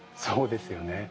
そうですよね。